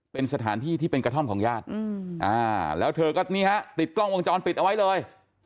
เป็นสถานที่ที่เป็นกระท่อมของญาติแล้วเธอก็นี่ฮะติดกล้องวงจรปิดเอาไว้เลย